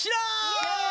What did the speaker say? イエーイ！